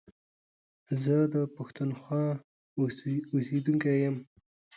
زه دا پښتونخوا اوسيدونکی يم.